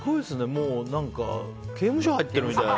もう、刑務所入ってるみたいな。